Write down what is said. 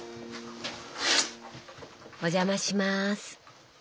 お邪魔します。